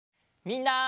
みんな！